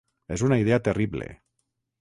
És una idea terrible.